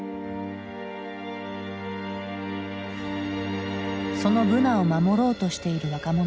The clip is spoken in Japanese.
そのブナを守ろうとしている若者がいる。